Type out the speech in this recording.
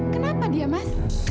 kenapa dia mas